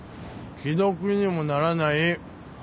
既読にもならない。